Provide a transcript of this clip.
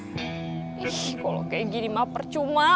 kalau kayak gini mah percuma